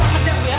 kurang ajar ya